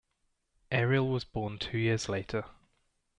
Ariel was born two years later.